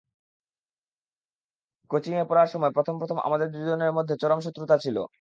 কোচিংয়ে পড়ার সময় প্রথম প্রথম আমাদের দুজনের মধ্যে চরম শত্রুতা ছিল।